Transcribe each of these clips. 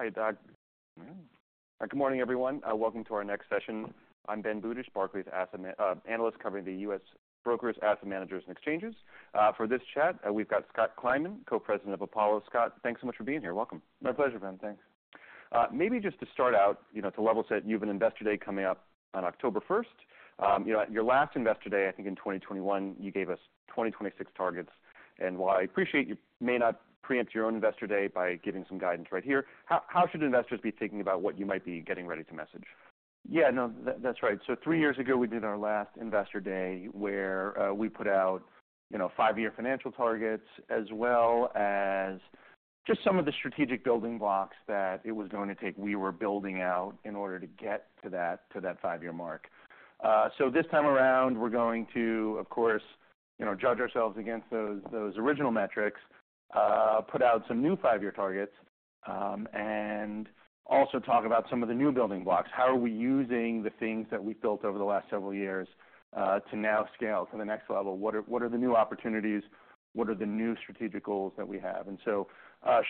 Hi, Doc. Good morning, everyone. Welcome to our next session. I'm Ben Budish, Barclays analyst covering the U.S. Brokers, Asset Managers, and Exchanges. For this chat, we've got Scott Kleinman, Co-President of Apollo. Scott, thanks so much for being here. Welcome. My pleasure, Ben. Thanks. Maybe just to start out, you know, to level set, you have an Investor Day coming up on October 1st. You know, at your last Investor Day, I think in 2021, you gave us 2026 targets. And while I appreciate you may not preempt your own Investor Day by giving some guidance right here, how should investors be thinking about what you might be getting ready to message? Yeah, no, that's right. So three years ago, we did our last Investor Day, where we put out, you know, five-year financial targets, as well as just some of the strategic building blocks that it was going to take, we were building out in order to get to that five-year mark. So this time around, we're going to, of course, you know, judge ourselves against those original metrics, put out some new five-year targets, and also talk about some of the new building blocks. How are we using the things that we've built over the last several years to now scale to the next level? What are the new opportunities? What are the new strategic goals that we have? And so,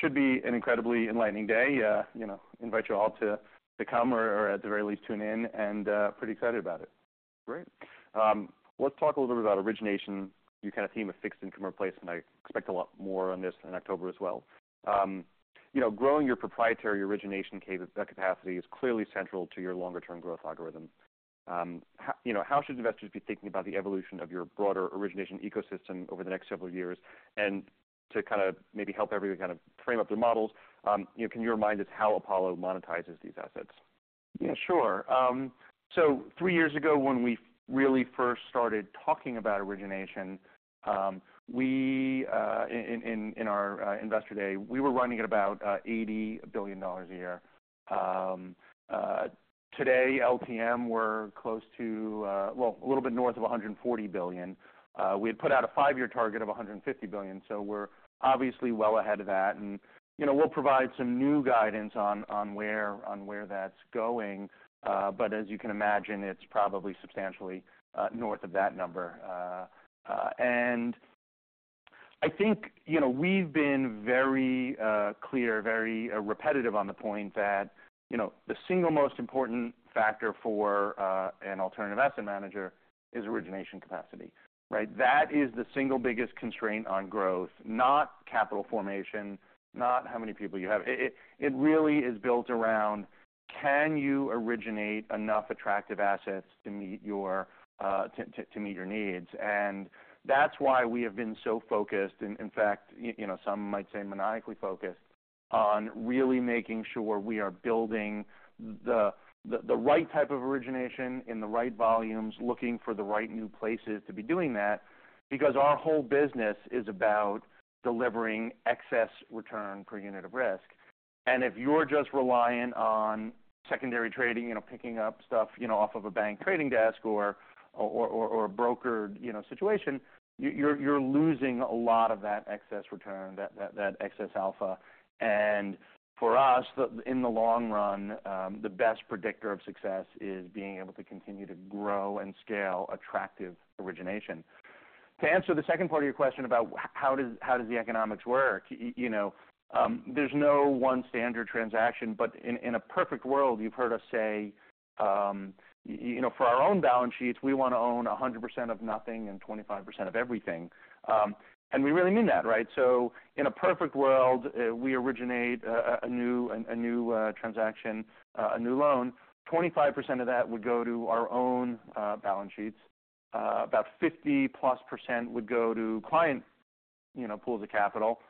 should be an incredibly enlightening day. You know, invite you all to come or at the very least, tune in, and pretty excited about it. Great. Let's talk a little bit about origination. You kind of theme a fixed income replacement. I expect a lot more on this in October as well. You know, growing your proprietary origination capacity is clearly central to your longer-term growth algorithm. You know, how should investors be thinking about the evolution of your broader origination ecosystem over the next several years? And to kind of maybe help everyone kind of frame up their models, you know, can you remind us how Apollo monetizes these assets? Yeah, sure. So three years ago, when we really first started talking about origination, in our Investor Day, we were running at about $80 billion a year. Today, LTM, we're close to, well, a little bit north of $140 billion. We had put out a five-year target of $150 billion, so we're obviously well ahead of that, and, you know, we'll provide some new guidance on where that's going. But as you can imagine, it's probably substantially north of that number. I think, you know, we've been very clear, very repetitive on the point that, you know, the single most important factor for an alternative asset manager is origination capacity, right? That is the single biggest constraint on growth, not capital formation, not how many people you have. It really is built around, can you originate enough attractive assets to meet your needs? And that's why we have been so focused. In fact, you know, some might say maniacally focused on really making sure we are building the right type of origination in the right volumes, looking for the right new places to be doing that, because our whole business is about delivering excess return per unit of risk. And if you're just reliant on secondary trading, you know, picking up stuff, you know, off of a bank trading desk or a brokered, you know, situation, you're losing a lot of that excess return, that excess alpha. And for us, in the long run, the best predictor of success is being able to continue to grow and scale attractive origination. To answer the second part of your question about how does the economics work? You know, there's no one standard transaction, but in a perfect world, you've heard us say, you know, for our own balance sheets, we want to own 100% of nothing and 25% of everything. And we really mean that, right? So in a perfect world, we originate a new transaction, a new loan. 25% of that would go to our own balance sheets. About 50%+ would go to client, you know, pools of capital,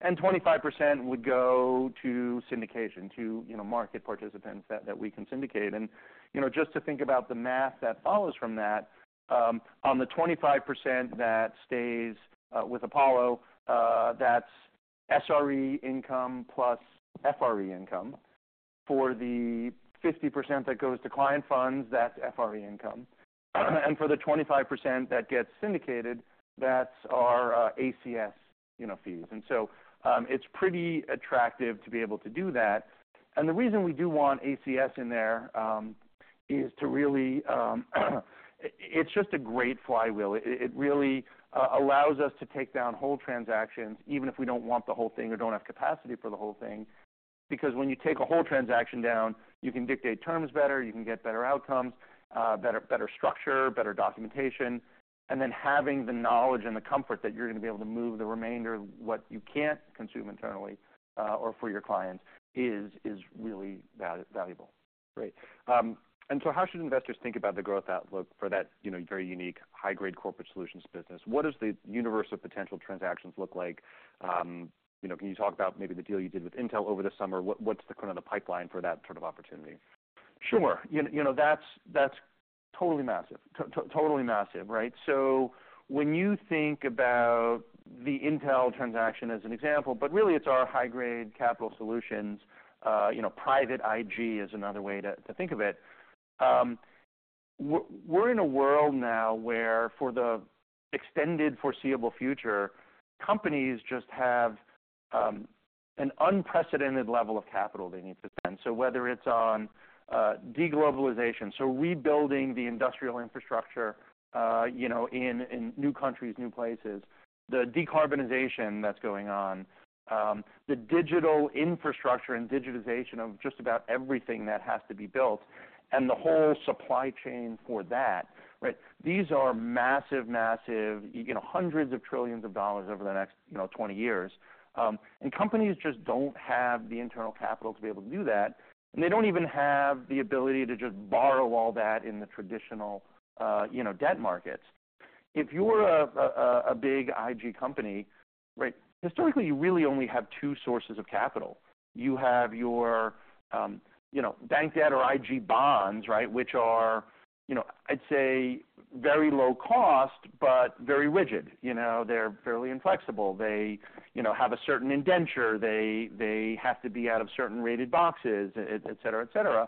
and 25% would go to syndication, to, you know, market participants that we can syndicate. And, you know, just to think about the math that follows from that, on the 25% that stays with Apollo, that's SRE income plus FRE income. For the 50% that goes to client funds, that's FRE income. And for the 25% that gets syndicated, that's our ACS, you know, fees. And so, it's pretty attractive to be able to do that. And the reason we do want ACS in there is to really, it's just a great flywheel. It really allows us to take down whole transactions, even if we don't want the whole thing or don't have capacity for the whole thing. Because when you take a whole transaction down, you can dictate terms better, you can get better outcomes, better structure, better documentation. And then having the knowledge and the comfort that you're going to be able to move the remainder of what you can't consume internally, or for your clients, is really valuable. Great. And so how should investors think about the growth outlook for that, you know, very unique, high-grade corporate solutions business? What does the universe of potential transactions look like? You know, can you talk about maybe the deal you did with Intel over the summer? What's the current state of the pipeline for that sort of opportunity? Sure. You know, that's totally massive. Totally massive, right? So when you think about the Intel transaction as an example, but really it's our high-grade capital solutions, you know, private IG is another way to think of it. We're in a world now where for the extended foreseeable future, companies just have an unprecedented level of capital they need to spend. So whether it's on de-globalization, so rebuilding the industrial infrastructure, you know, in new countries, new places, the decarbonization that's going on, the digital infrastructure and digitization of just about everything that has to be built and the whole supply chain for that, right? These are massive, massive, you know, hundreds of trillions of dollars over the next 20 years. And companies just don't have the internal capital to be able to do that, and they don't even have the ability to just borrow all that in the traditional, you know, debt markets. If you're a big IG company, right, historically, you really only have two sources of capital. You have your bank debt or IG bonds, right? Which are, you know, I'd say, very low cost, but very rigid. You know, they're fairly inflexible. They, you know, have a certain indenture. They have to be out of certain rated boxes, et cetera, et cetera.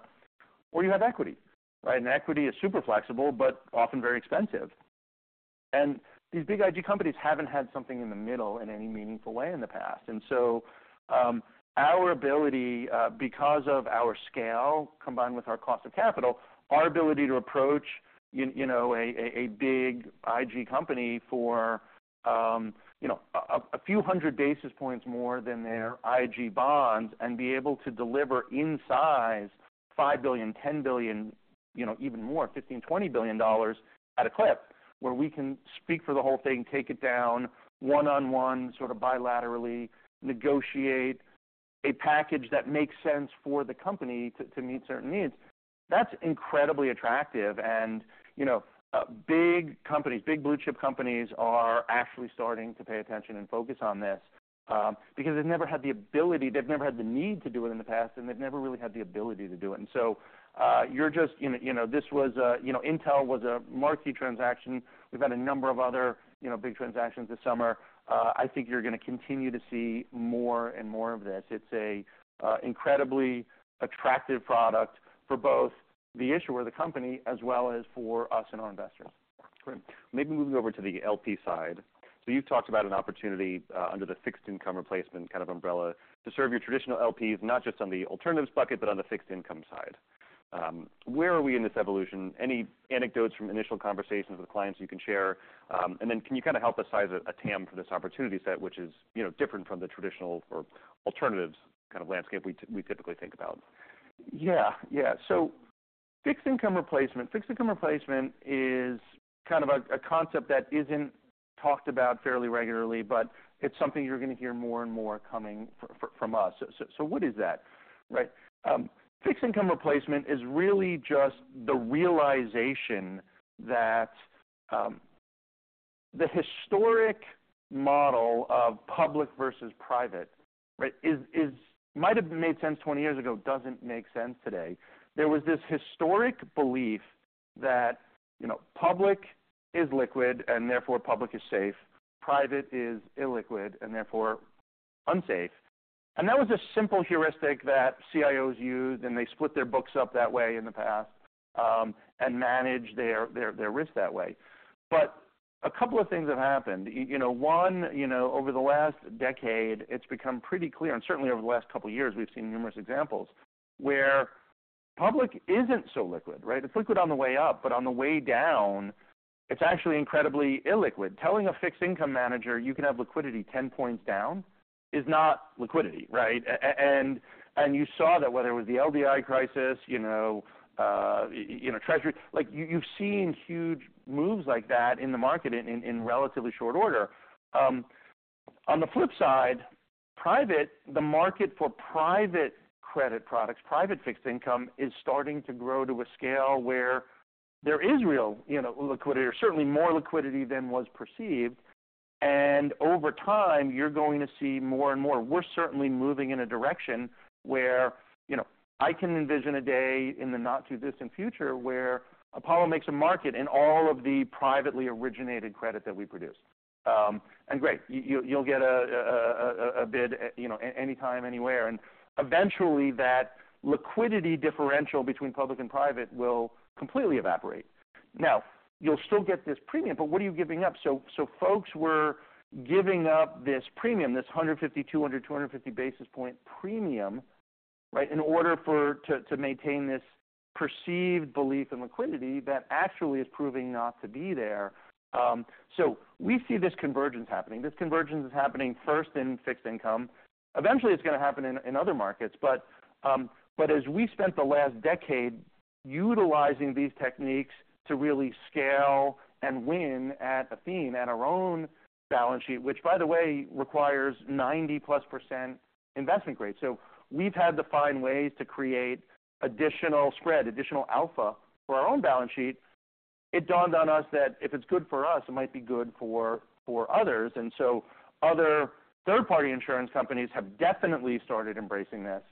Or you have equity, right? And equity is super flexible, but often very expensive. And these big IG companies haven't had something in the middle in any meaningful way in the past. And so, our ability, because of our scale, combined with our cost of capital, our ability to approach you know, a big IG company for a few hundred basis points more than their IG bonds and be able to deliver in size, $5 billion, $10 billion, you know, even more, $15 billion, $20 billion dollars at a clip, where we can speak for the whole thing, take it down one-on-one, sort of bilaterally, negotiate a package that makes sense for the company to meet certain needs. That's incredibly attractive. And you know, big companies, big blue chip companies are actually starting to pay attention and focus on this, because they've never had the ability. They've never had the need to do it in the past, and they've never really had the ability to do it. And so, you're just, you know, this was, you know, Intel was a marquee transaction. We've had a number of other, you know, big transactions this summer. I think you're gonna continue to see more and more of this. It's an incredibly attractive product for both the issuer, the company, as well as for us and our investors. Great. Maybe moving over to the LP side. So you've talked about an opportunity under the fixed income replacement kind of umbrella to serve your traditional LPs, not just on the alternatives bucket, but on the fixed income side. Where are we in this evolution? Any anecdotes from initial conversations with clients you can share? And then can you kind of help us size a TAM for this opportunity set, which is, you know, different from the traditional or alternatives kind of landscape we typically think about? Yeah. Yeah. So fixed income replacement. Fixed income replacement is kind of a concept that isn't talked about fairly regularly, but it's something you're gonna hear more and more coming from us. So what is that? Right. Fixed income replacement is really just the realization that the historic model of public versus private, right, is might have made sense 20 years ago, doesn't make sense today. There was this historic belief that, you know, public is liquid, and therefore public is safe, private is illiquid, and therefore unsafe. And that was a simple heuristic that CIOs used, and they split their books up that way in the past, and managed their risk that way. But a couple of things have happened. You know, one, you know, over the last decade, it's become pretty clear, and certainly over the last couple of years, we've seen numerous examples where public isn't so liquid, right? It's liquid on the way up, but on the way down, it's actually incredibly illiquid. Telling a fixed income manager you can have liquidity 10 points down is not liquidity, right? And you saw that whether it was the LDI crisis, you know, Treasury, like, you've seen huge moves like that in the market in relatively short order. On the flip side, private, the market for private credit products, private fixed income, is starting to grow to a scale where there is real, you know, liquidity or certainly more liquidity than was perceived. And over time, you're going to see more and more. We're certainly moving in a direction where, you know, I can envision a day in the not-too-distant future where Apollo makes a market in all of the privately originated credit that we produce. And great, you'll get a bid, you know, anytime, anywhere, and eventually that liquidity differential between public and private will completely evaporate. Now, you'll still get this premium, but what are you giving up? So folks were giving up this premium, this 150, 200, 250 basis point premium, right, in order for to maintain this perceived belief in liquidity that actually is proving not to be there. So we see this convergence happening. This convergence is happening first in fixed income. Eventually, it's gonna happen in other markets. But as we spent the last decade utilizing these techniques to really scale and win at Athene, at our own balance sheet, which, by the way, requires 90%+ investment grade. So we've had to find ways to create additional spread, additional alpha for our own balance sheet. It dawned on us that if it's good for us, it might be good for others. And so other third-party insurance companies have definitely started embracing this.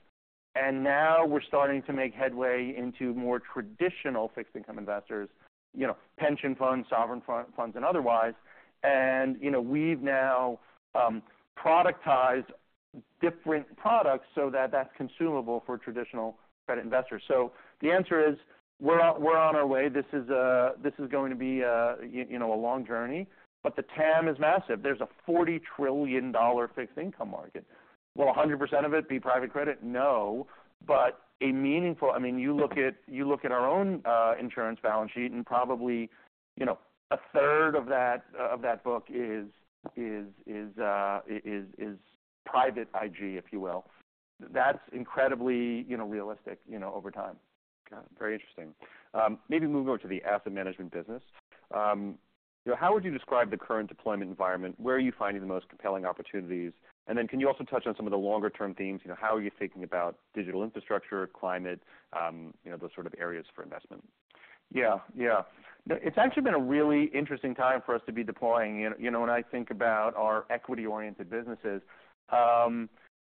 And now we're starting to make headway into more traditional fixed income investors, you know, pension funds, sovereign funds, and otherwise. And, you know, we've now productized different products so that that's consumable for traditional credit investors. So the answer is, we're on our way. This is going to be a, you know, a long journey, but the TAM is massive. There's a $40 trillion fixed income market. Will 100% of it be private credit? No, but a meaningful. I mean, you look at our own insurance balance sheet, and probably, you know, a third of that book is private IG, if you will. That's incredibly, you know, realistic, you know, over time. Got it. Very interesting. Maybe moving on to the asset management business. How would you describe the current deployment environment? Where are you finding the most compelling opportunities? And then, can you also touch on some of the longer-term themes? You know, how are you thinking about digital infrastructure, climate, you know, those sort of areas for investment? Yeah, yeah. It's actually been a really interesting time for us to be deploying. You know, when I think about our equity-oriented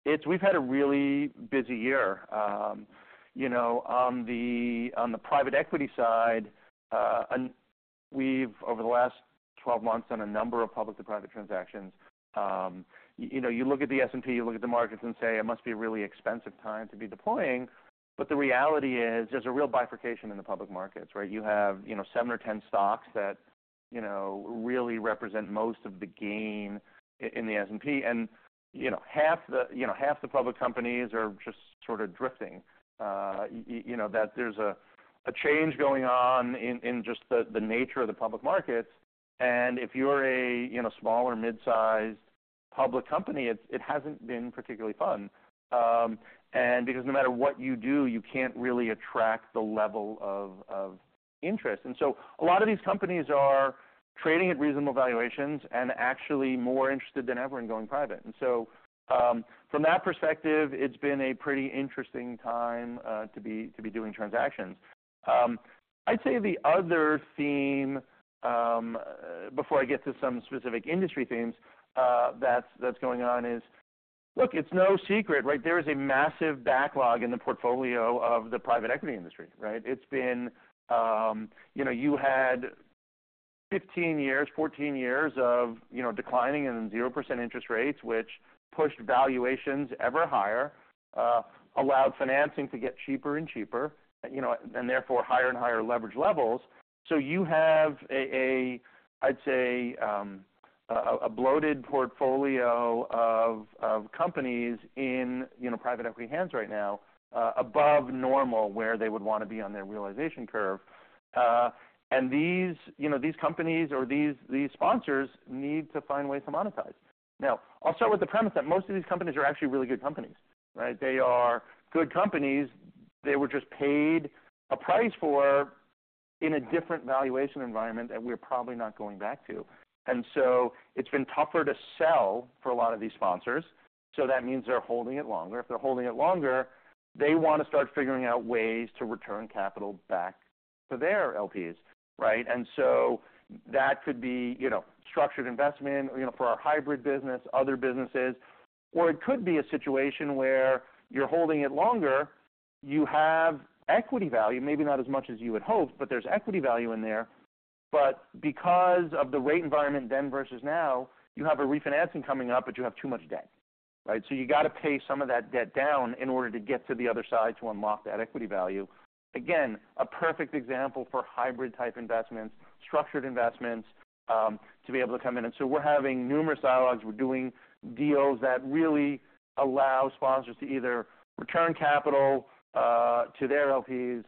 businesses, we've had a really busy year. You know, on the private equity side, and we've over the last 12 months, on a number of public to private transactions, you know, you look at the S&P, you look at the markets and say, it must be a really expensive time to be deploying. But the reality is, there's a real bifurcation in the public markets, right? You have, you know, 7 or 10 stocks that, you know, really represent most of the gain in the S&P. You know, half the public companies are just sort of drifting. You know, that there's a change going on in just the nature of the public markets, and if you're a you know, small or mid-sized public company, it hasn't been particularly fun, and because no matter what you do, you can't really attract the level of interest, and so a lot of these companies are trading at reasonable valuations and actually more interested than ever in going private, and so from that perspective, it's been a pretty interesting time to be doing transactions. I'd say the other theme, before I get to some specific industry themes, that's going on is, look, it's no secret, right? There is a massive backlog in the portfolio of the private equity industry, right? It's been, you know, you had 15 years, 14 years of, you know, declining and 0% interest rates, which pushed valuations ever higher, allowed financing to get cheaper and cheaper, you know, and therefore, higher and higher leverage levels. So you have a, I'd say, a bloated portfolio of companies in, you know, private equity hands right now, above normal, where they would want to be on their realization curve. And these, you know, these companies or these sponsors need to find ways to monetize. Now, I'll start with the premise that most of these companies are actually really good companies, right? They are good companies. They were just paid a price for in a different valuation environment that we're probably not going back to. And so it's been tougher to sell for a lot of these sponsors, so that means they're holding it longer. If they're holding it longer, they want to start figuring out ways to return capital back to their LPs, right? And so that could be, you know, structured investment, you know, for our hybrid business, other businesses, or it could be a situation where you're holding it longer, you have equity value, maybe not as much as you would hope, but there's equity value in there. But because of the rate environment then versus now, you have a refinancing coming up, but you have too much debt, right? So you got to pay some of that debt down in order to get to the other side to unlock that equity value. Again, a perfect example for hybrid-type investments, structured investments, to be able to come in. And so we're having numerous dialogues. We're doing deals that really allow sponsors to either return capital to their LPs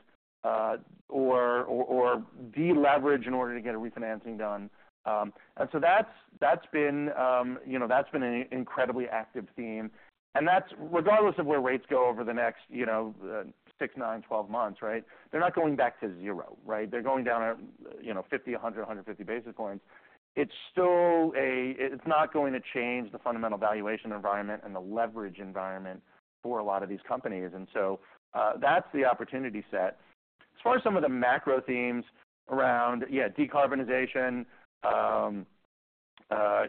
or de-leverage in order to get a refinancing done. And so that's been, you know, an incredibly active theme, and that's regardless of where rates go over the next, you know, six, nine, 12 months, right? They're not going back to zero, right? They're going down, you know, 50, 100, 150 basis points. It's still not going to change the fundamental valuation environment and the leverage environment for a lot of these companies. And so that's the opportunity set. As far as some of the macro themes around, yeah, decarbonization,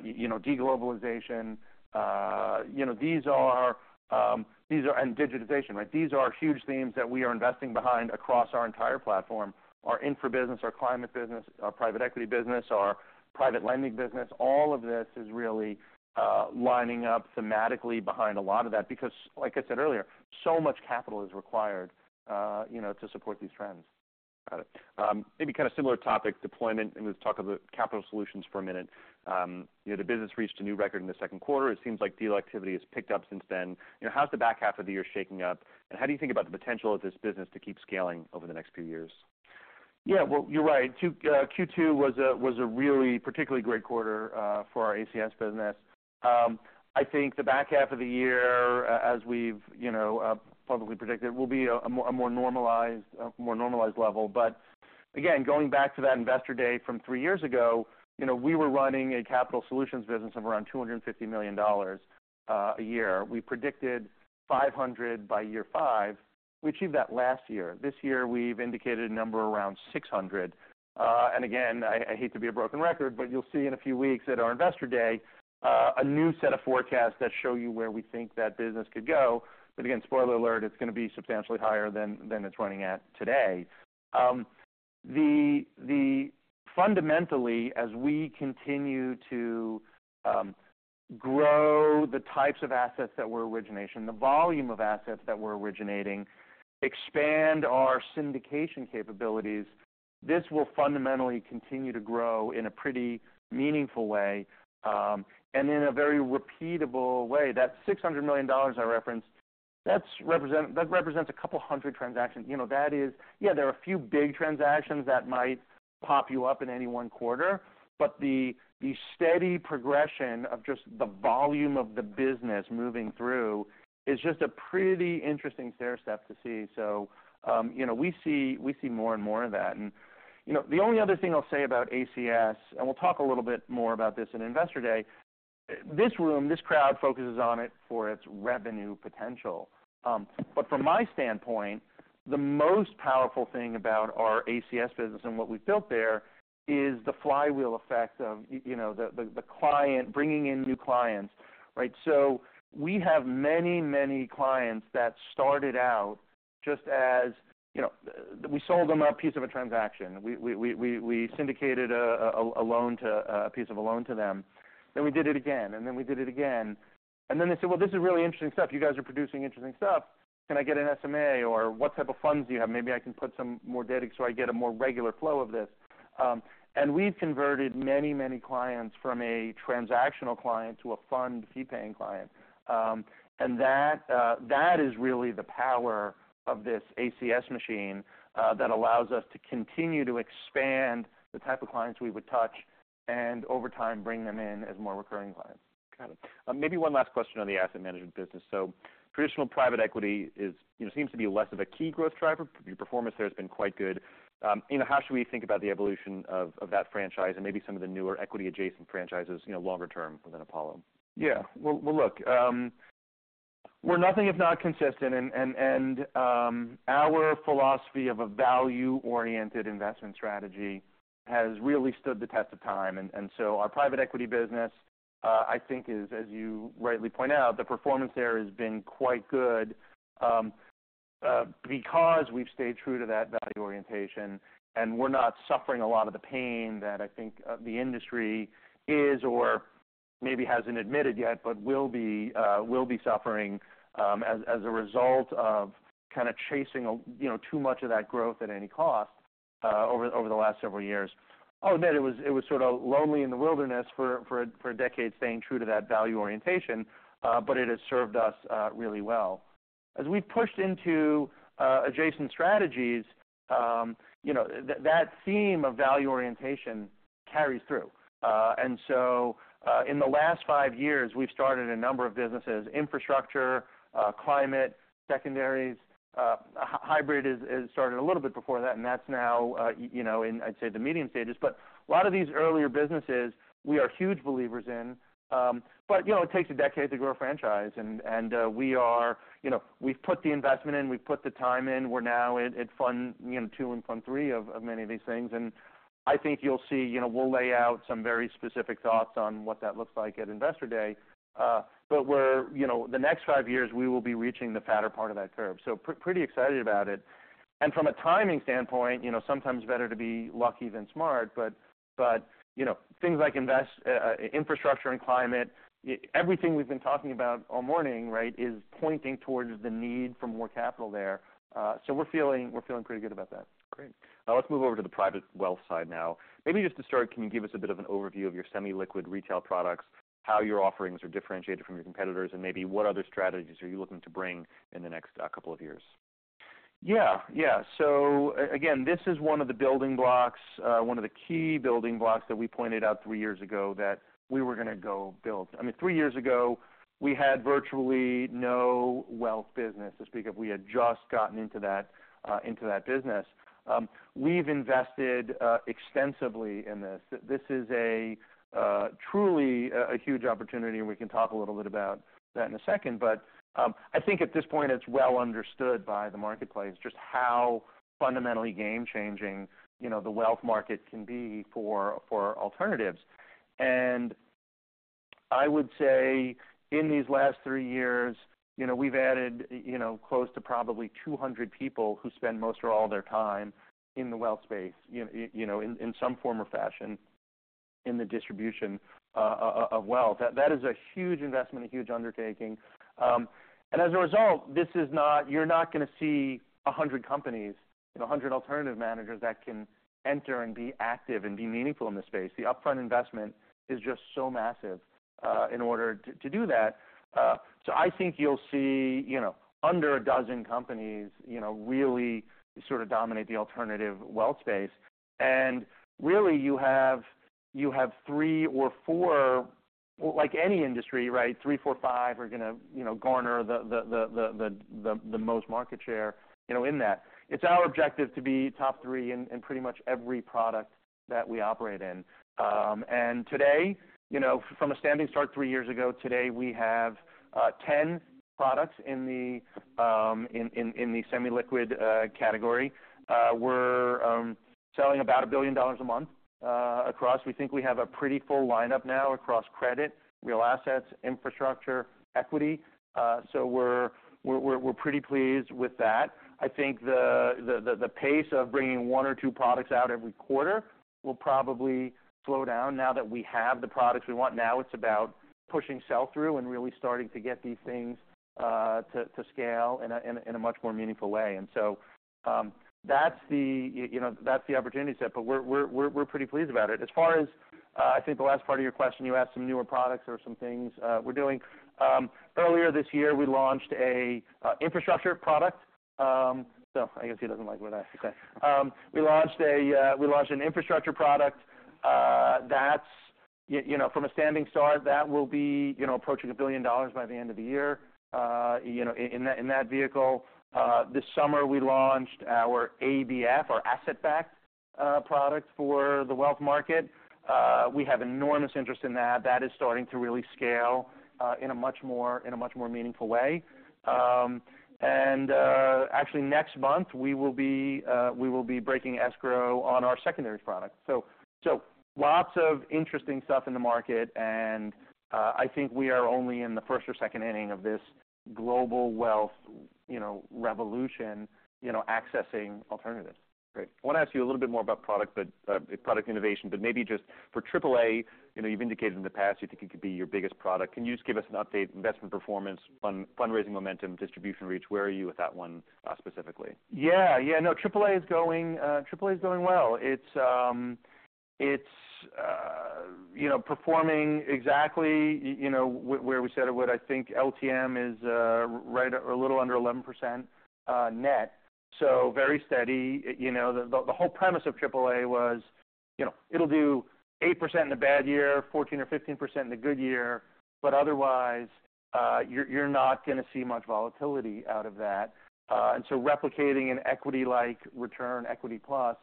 you know, de-globalization, you know, these are, and digitization, right? These are huge themes that we are investing behind across our entire platform. Our infra business, our climate business, our private equity business, our private lending business, all of this is really lining up thematically behind a lot of that because, like I said earlier, so much capital is required, you know, to support these trends. Got it. Maybe kind of similar topic, deployment, and let's talk about capital solutions for a minute. You know, the business reached a new record in the second quarter. It seems like deal activity has picked up since then. You know, how's the back half of the year shaping up? And how do you think about the potential of this business to keep scaling over the next few years? Yeah, well, you're right. Q2 was a really particularly great quarter for our ACS business. I think the back half of the year, as we've you know publicly predicted, will be a more normalized level. But again, going back to that Investor Day from three years ago, you know, we were running a capital solutions business of around $250 million a year. We predicted $500 million by year five. We achieved that last year. This year, we've indicated a number around $600 million. And again, I hate to be a broken record, but you'll see in a few weeks at our Investor Day a new set of forecasts that show you where we think that business could go. But again, spoiler alert, it's gonna be substantially higher than it's running at today. Fundamentally, as we continue to grow the types of assets that we're originating, the volume of assets that we're originating, expand our syndication capabilities, this will fundamentally continue to grow in a pretty meaningful way, and in a very repeatable way. That $600 million I referenced, that represents a couple of hundred transactions. You know, that is. Yeah, there are a few big transactions that might pop you up in any one quarter, but the steady progression of just the volume of the business moving through is just a pretty interesting stair step to see. So, you know, we see more and more of that. You know, the only other thing I'll say about ACS, and we'll talk a little bit more about this in Investor Day. This room, this crowd, focuses on it for its revenue potential. From my standpoint, the most powerful thing about our ACS business and what we've built there is the flywheel effect of you know the client bringing in new clients, right? We have many, many clients that started out just as, you know, we sold them a piece of a transaction. We syndicated a piece of a loan to them, then we did it again, and then we did it again. Then they said, "Well, this is really interesting stuff. You guys are producing interesting stuff. Can I get an SMA? Or what type of funds do you have? Maybe I can put some more data, so I get a more regular flow of this." And we've converted many, many clients from a transactional client to a fund fee-paying client. And that is really the power of this ACS machine that allows us to continue to expand the type of clients we would touch, and over time, bring them in as more recurring clients. Got it. Maybe one last question on the asset management business. So traditional private equity is, you know, seems to be less of a key growth driver. Your performance there has been quite good. You know, how should we think about the evolution of that franchise and maybe some of the newer equity adjacent franchises, you know, longer term within Apollo? Yeah, well, look, we're nothing if not consistent, and our philosophy of a value-oriented investment strategy has really stood the test of time, and so our private equity business, I think is, as you rightly point out, the performance there has been quite good, because we've stayed true to that value orientation, and we're not suffering a lot of the pain that I think the industry is or maybe hasn't admitted yet, but will be suffering, as a result of kinda chasing a, you know, too much of that growth at any cost, over the last several years. I'll admit it was sort of lonely in the wilderness for decades staying true to that value orientation, but it has served us really well. As we pushed into adjacent strategies, you know, that theme of value orientation carries through. And so, in the last five years, we've started a number of businesses, infrastructure, climate, secondaries. Hybrid is started a little bit before that, and that's now, you know, in, I'd say, the medium stages. But a lot of these earlier businesses, we are huge believers in. But, you know, it takes a decade to grow a franchise, and we are, you know, we've put the investment in, we've put the time in. We're now at fund, you know, two and fund three of many of these things. And I think you'll see, you know, we'll lay out some very specific thoughts on what that looks like at Investor Day. But we're, you know, the next five years, we will be reaching the fatter part of that curve. So pretty excited about it. And from a timing standpoint, you know, sometimes better to be lucky than smart. But you know, things like infrastructure and climate, everything we've been talking about all morning, right, is pointing towards the need for more capital there. So we're feeling pretty good about that. Great. Now let's move over to the private wealth side now. Maybe just to start, can you give us a bit of an overview of your semi-liquid retail products, how your offerings are differentiated from your competitors, and maybe what other strategies are you looking to bring in the next couple of years? Yeah. Yeah. So again, this is one of the building blocks, one of the key building blocks that we pointed out three years ago that we were gonna go build. I mean, three years ago, we had virtually no wealth business to speak of. We had just gotten into that, into that business. We've invested extensively in this. This is truly a huge opportunity, and we can talk a little bit about that in a second. But I think at this point, it's well understood by the marketplace, just how fundamentally game-changing, you know, the wealth market can be for alternatives. And I would say in these last three years, you know, we've added, you know, close to probably 200 people who spend most or all of their time in the wealth space, you know, in some form or fashion in the distribution of wealth. That is a huge investment, a huge undertaking. And as a result, this is not, you're not gonna see 100 companies, 100 alternative managers that can enter and be active and be meaningful in this space. The upfront investment is just so massive in order to do that. So I think you'll see, you know, under a dozen companies, you know, really sort of dominate the alternative wealth space. And really, you have three or four, like any industry, right? Three, four, five are gonna, you know, garner the most market share, you know, in that. It's our objective to be top three in pretty much every product that we operate in. And today, you know, from a standing start three years ago, today, we have 10 products in the semi-liquid category. We're selling about $1 billion a month across. We think we have a pretty full lineup now across credit, real assets, infrastructure, equity. So we're pretty pleased with that. I think the pace of bringing one or two products out every quarter will probably slow down now that we have the products we want. Now it's about pushing sell-through and really starting to get these things to scale in a much more meaningful way. And so, that's the you know that's the opportunity set, but we're pretty pleased about it. As far as I think the last part of your question, you asked some newer products or some things we're doing. Earlier this year, we launched an infrastructure product. So I guess he doesn't like what I said. We launched an infrastructure product that's you know from a standing start that will be you know approaching $1 billion by the end of the year you know in that vehicle. This summer, we launched our ABF, our asset-backed product for the wealth market. We have enormous interest in that. That is starting to really scale in a much more meaningful way. And actually, next month, we will be breaking escrow on our secondary product. So lots of interesting stuff in the market, and I think we are only in the first or second inning of this global wealth, you know, revolution, you know, accessing alternatives. Great. I wanna ask you a little bit more about product, but, product innovation, but maybe just for AAA, you know, you've indicated in the past you think it could be your biggest product. Can you just give us an update, investment performance, fundraising, momentum, distribution reach? Where are you with that one, specifically? Yeah, yeah. No, AAA is going well. It's, you know, performing exactly, you know, where we said it would. I think LTM is right or a little under 11%, net, so very steady. You know, the whole premise of AAA was, you know, it'll do 8% in a bad year, 14% or 15% in a good year, but otherwise, you're not gonna see much volatility out of that. And so replicating an equity-like return, equity plus,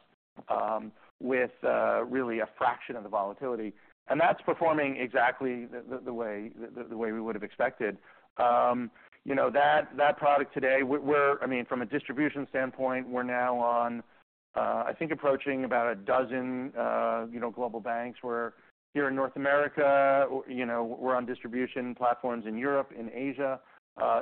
with really a fraction of the volatility. And that's performing exactly the way we would have expected. You know, that product today, I mean, from a distribution standpoint, we're now on, I think approaching about a dozen, you know, global banks. We're here in North America, you know, we're on distribution platforms in Europe and Asia,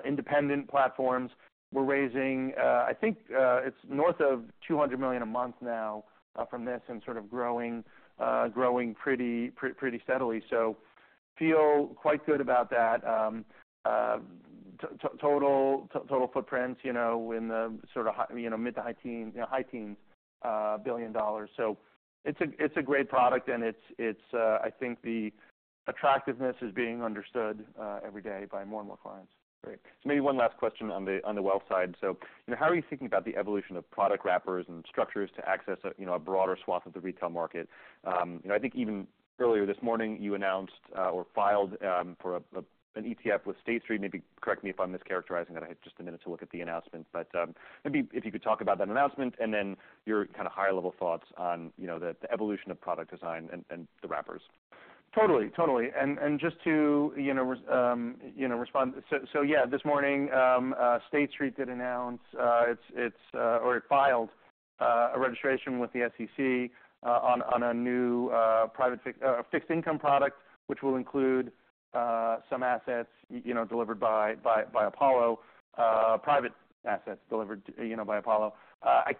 independent platforms. We're raising, I think, it's north of $200 million a month now, from this and sort of growing, growing pretty, pretty steadily. So feel quite good about that. Total footprints, you know, in the sort of, you know, mid to high-teens $ billion. So it's a great product, and it's, I think the attractiveness is being understood every day by more and more clients. Great. So maybe one last question on the wealth side. So, how are you thinking about the evolution of product wrappers and structures to access, you know, a broader swath of the retail market? I think even earlier this morning, you announced or filed for an ETF with State Street. Maybe correct me if I'm mischaracterizing that. I had just a minute to look at the announcement. But maybe if you could talk about that announcement and then your kind of high-level thoughts on, you know, the evolution of product design and the wrappers. Totally, totally. And just to, you know, you know, respond. So yeah, this morning, State Street did announce, it's, or it filed, a registration with the SEC, on a new, private fixed income product, which will include, some assets, you know, delivered by Apollo, private assets delivered, you know, by Apollo.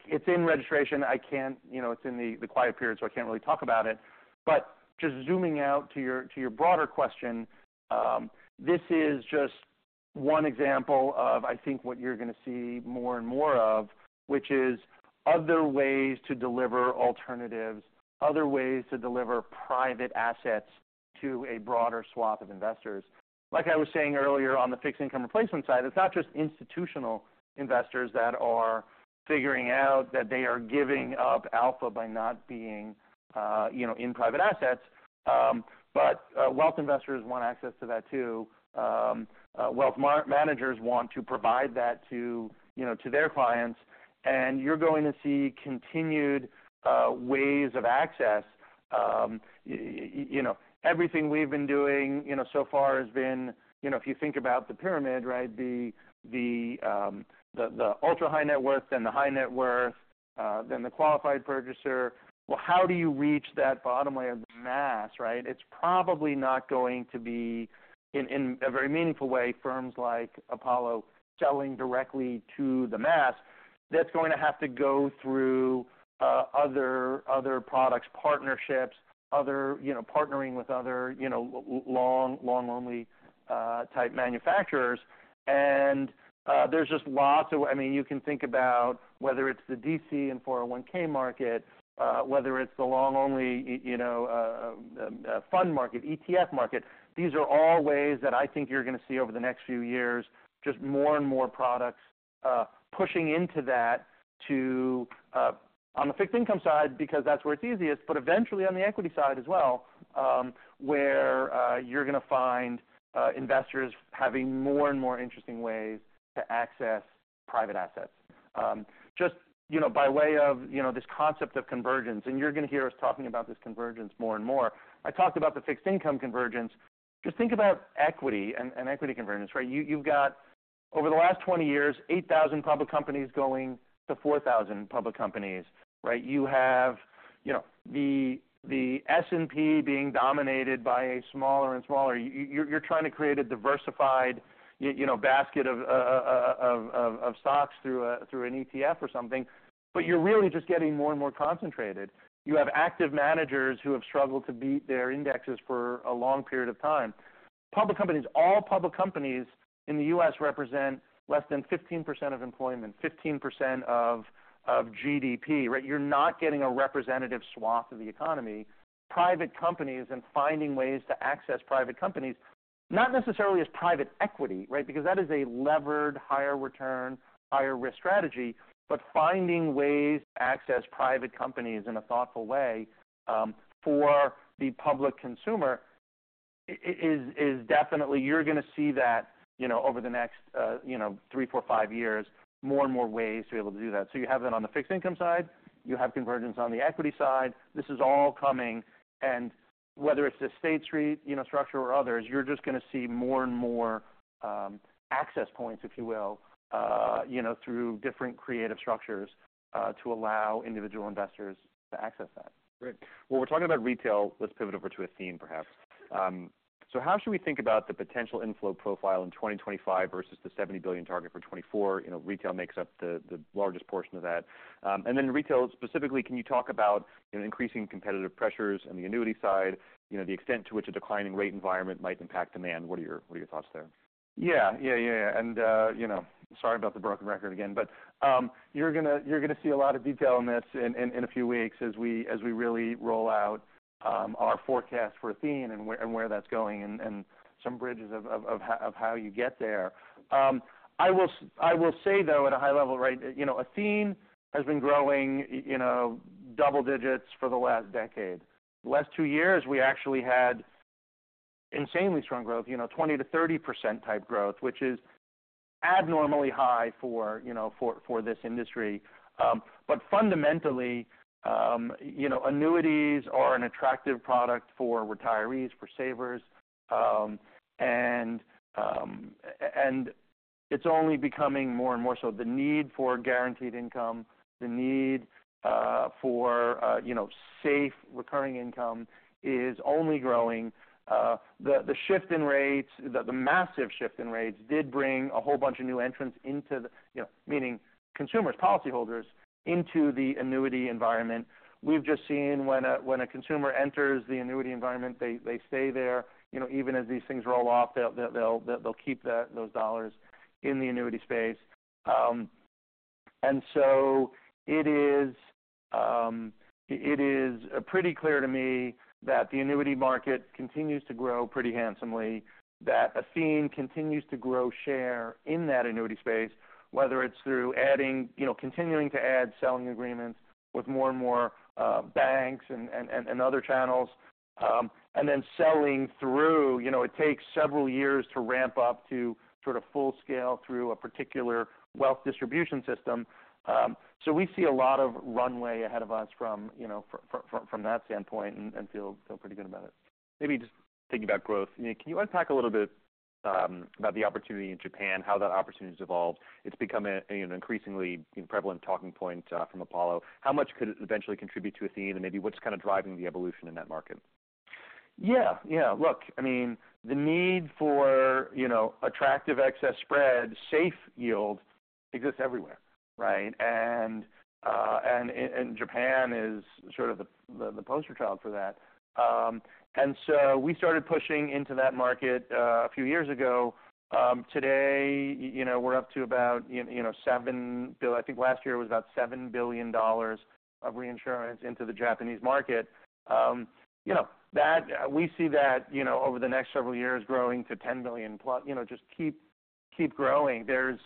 It's in registration. I can't, you know, it's in the quiet period, so I can't really talk about it. But just zooming out to your broader question, this is just one example of, I think, what you're gonna see more and more of, which is other ways to deliver alternatives, other ways to deliver private assets to a broader swath of investors. Like I was saying earlier on the fixed income replacement side, it's not just institutional investors that are figuring out that they are giving up alpha by not being, you know, in private assets, but, wealth investors want access to that too. Wealth managers want to provide that to, you know, to their clients, and you're going to see continued, ways of access. You know, everything we've been doing, you know, so far has been, you know, if you think about the pyramid, right, the ultra high net worth and the high net worth, then the qualified purchaser. Well, how do you reach that bottom layer of the mass, right? It's probably not going to be in a very meaningful way, firms like Apollo selling directly to the mass. That's going to have to go through, other, other products, partnerships, other, you know, partnering with other, you know, long-only type manufacturers. And, there's just lots of... I mean, you can think about whether it's the DC and 401(k) market, whether it's the long only, you know, fund market, ETF market. These are all ways that I think you're gonna see over the next few years, just more and more products, pushing into that to, on the fixed income side, because that's where it's easiest, but eventually on the equity side as well, where, you're gonna find, investors having more and more interesting ways to access private assets. Just, you know, by way of, you know, this concept of convergence, and you're gonna hear us talking about this convergence more and more. I talked about the fixed income convergence. Just think about equity and equity convergence, right? You've got, over the last 20 years, 8,000 public companies going to 4,000 public companies, right? You have, you know, the S&P being dominated by a smaller and smaller. You're trying to create a diversified, you know, basket of stocks through an ETF or something, but you're really just getting more and more concentrated. You have active managers who have struggled to beat their indexes for a long period of time. Public companies, all public companies in the U.S. represent less than 15% of employment, 15% of GDP, right? You're not getting a representative swath of the economy. Private companies, and finding ways to access private companies, not necessarily as private equity, right? Because that is a levered, higher return, higher risk strategy, but finding ways to access private companies in a thoughtful way, for the public consumer, is definitely, you're gonna see that, you know, over the next, you know, three, four, five years, more and more ways to be able to do that, so you have that on the fixed income side, you have convergence on the equity side. This is all coming, and whether it's the State Street, you know, structure or others, you're just gonna see more and more, access points, if you will, you know, through different creative structures, to allow individual investors to access that. Great. Well, we're talking about retail. Let's pivot over to Athene, perhaps. So how should we think about the potential inflow profile in 2025 versus the $70 billion target for 2024? You know, retail makes up the largest portion of that. And then retail, specifically, can you talk about increasing competitive pressures on the annuity side? You know, the extent to which a declining rate environment might impact demand. What are your thoughts there? Yeah. Yeah, yeah, yeah, and you know, sorry about the broken record again, but you're gonna see a lot of detail on this in a few weeks as we really roll out our forecast for Athene and where that's going, and some bridges of how you get there. I will say, though, at a high level, right, you know, Athene has been growing, you know, double digits for the last decade. The last two years, we actually had insanely strong growth, you know, 20%-30% type growth, which is abnormally high for, you know, for this industry. But fundamentally, you know, annuities are an attractive product for retirees, for savers, and it's only becoming more and more so. The need for guaranteed income, the need, for, you know, safe, recurring income is only growing. The shift in rates, the massive shift in rates did bring a whole bunch of new entrants into the, you know, meaning consumers, policyholders, into the annuity environment. We've just seen when a consumer enters the annuity environment, they stay there. You know, even as these things roll off, they'll keep those dollars in the annuity space. And so it is, it is pretty clear to me that the annuity market continues to grow pretty handsomely, that Athene continues to grow share in that annuity space, whether it's through adding, you know, continuing to add selling agreements with more and more, banks and other channels, and then selling through. You know, it takes several years to ramp up to sort of full scale through a particular wealth distribution system. So we see a lot of runway ahead of us from, you know, from that standpoint and feel pretty good about it. Maybe just thinking about growth, can you unpack a little bit about the opportunity in Japan, how that opportunity has evolved? It's become a, you know, increasingly prevalent talking point from Apollo. How much could it eventually contribute to Athene, and maybe what's kind of driving the evolution in that market? Yeah, yeah. Look, I mean, the need for, you know, attractive excess spread, safe yield exists everywhere, right? And Japan is sort of the poster child for that. And so we started pushing into that market a few years ago. Today, you know, we're up to about, you know, $7 billion. I think last year it was about $7 billion of reinsurance into the Japanese market. You know, that we see that, you know, over the next several years, growing to $10+ billion, you know, just keep growing. There's,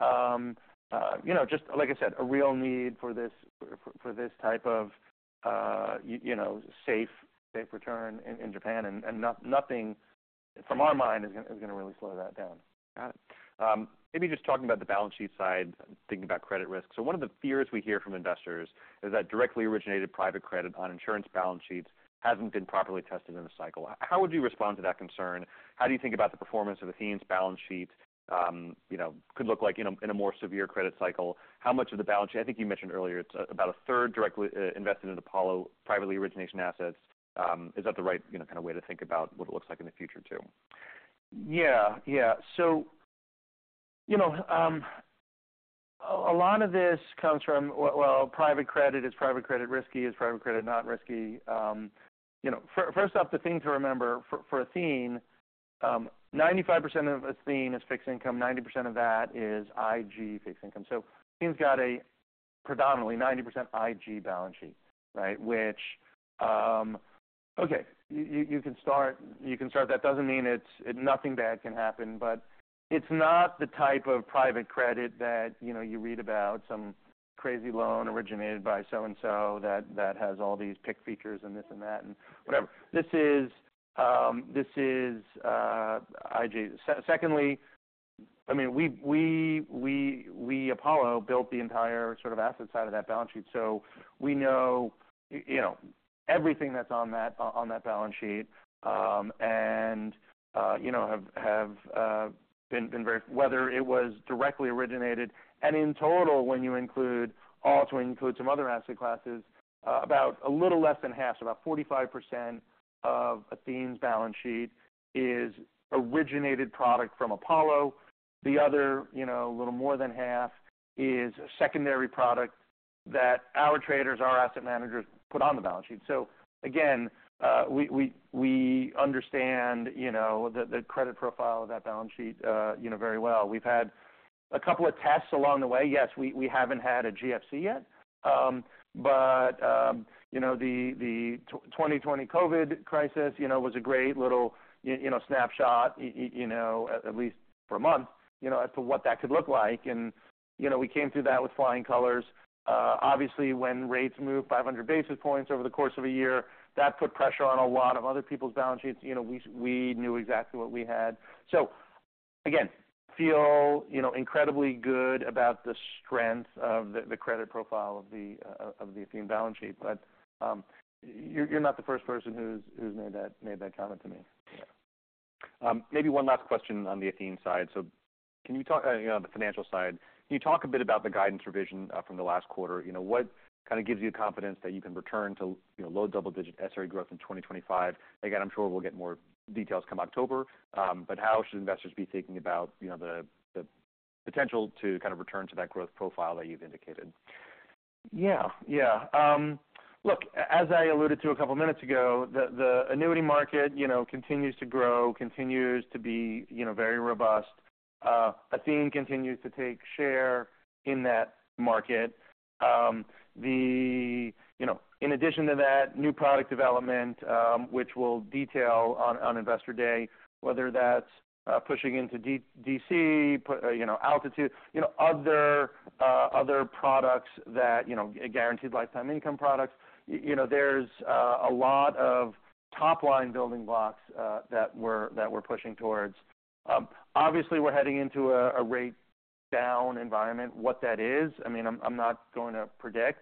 you know, just, like I said, a real need for this, for this type of, you know, safe return in Japan, and nothing, from our mind, is gonna really slow that down. Got it. Maybe just talking about the balance sheet side, thinking about credit risk. So one of the fears we hear from investors is that directly originated private credit on insurance balance sheets hasn't been properly tested in a cycle. How would you respond to that concern? How do you think about the performance of Athene's balance sheet, you know, could look like in a more severe credit cycle? How much of the balance sheet, I think you mentioned earlier, it's about a third directly invested in Apollo private origination assets. Is that the right, you know, kind of way to think about what it looks like in the future, too? Yeah. Yeah. So, you know, a lot of this comes from, well, private credit. Is private credit risky? Is private credit not risky? You know, first up, the thing to remember for Athene, 95% of Athene is fixed income. 90% of that is IG fixed income. So Athene's got a predominantly 90% IG balance sheet, right? Which, okay, you can start. That doesn't mean nothing bad can happen, but it's not the type of private credit that, you know, you read about, some crazy loan originated by so and so that has all these PIK features and this and that, and whatever. This is IG. Secondly. I mean, we Apollo built the entire sort of asset side of that balance sheet, so we know, you know, everything that's on that balance sheet, and you know, have been very whether it was directly originated. And in total, when you include also include some other asset classes, about a little less than half, so about 45% of Athene's balance sheet is originated product from Apollo. The other, you know, a little more than half is a secondary product that our traders, our asset managers, put on the balance sheet. So again, we understand, you know, the credit profile of that balance sheet very well. We've had a couple of tests along the way. Yes, we haven't had a GFC yet, but you know, the 2020 COVID crisis, you know, was a great little snapshot, you know, at least for a month, you know, as to what that could look like. You know, we came through that with flying colors. Obviously, when rates moved 500 basis points over the course of a year, that put pressure on a lot of other people's balance sheets. You know, we knew exactly what we had. So again, feel you know, incredibly good about the strength of the credit profile of the Athene balance sheet. But you're not the first person who's made that comment to me. Maybe one last question on the Athene side. So can you talk, you know, the financial side, can you talk a bit about the guidance revision from the last quarter? You know, what kind of gives you confidence that you can return to, you know, low double-digit SRE growth in 2025? Again, I'm sure we'll get more details come October, but how should investors be thinking about, you know, the potential to kind of return to that growth profile that you've indicated? Yeah. Yeah. Look, as I alluded to a couple of minutes ago, the annuity market, you know, continues to grow, continues to be, you know, very robust. Athene continues to take share in that market. The. You know, in addition to that, new product development, which we'll detail on Investor Day, whether that's pushing into DC, you know, Altitude, you know, other products that, you know, guaranteed lifetime income products. You know, there's a lot of top-line building blocks that we're pushing towards. Obviously, we're heading into a rate down environment. What that is, I mean, I'm not going to predict.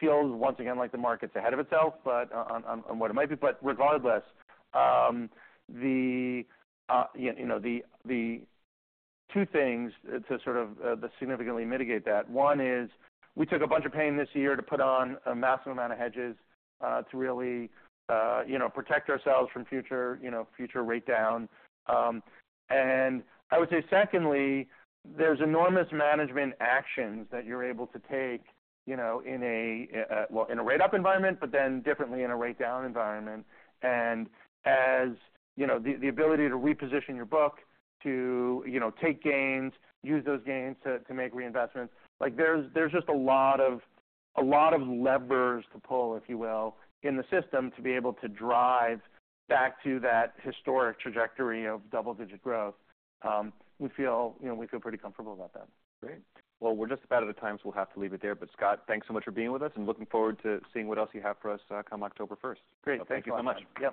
Feels once again, like the market's ahead of itself, but on what it might be. But regardless, you know, the two things to sort of to significantly mitigate that. One is, we took a bunch of pain this year to put on a massive amount of hedges to really, you know, protect ourselves from future, you know, future rate down. And I would say secondly, there's enormous management actions that you're able to take, you know, in a well, in a rate up environment, but then differently in a rate down environment. And as you know, the ability to reposition your book to, you know, take gains, use those gains to make reinvestments, like there's just a lot of levers to pull, if you will, in the system to be able to drive back to that historic trajectory of double-digit growth. We feel, you know, we feel pretty comfortable about that. Great! Well, we're just about out of time, so we'll have to leave it there. But, Scott, thanks so much for being with us, and looking forward to seeing what else you have for us, come October 1st. Great. Thank you so much. Yeah.